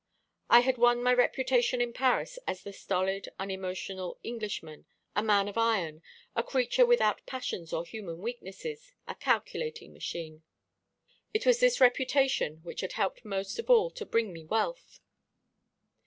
I had won my reputation in Paris as the stolid, unemotional Englishman; a man of iron, a creature without passions or human weaknesses, a calculating machine. It was this reputation which had helped most of all to bring me wealth.